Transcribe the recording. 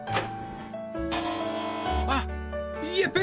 あやった！